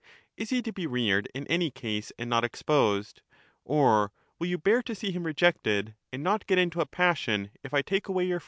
Is he to be reared in any case, and not exposed ? or will you bear to see him rejected, and not get into a passion if I take away your first born